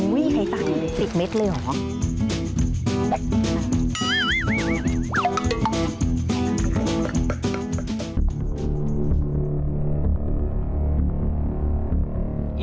อุ๊ยไข่สาด๑๐เม็ดเลยเหรอ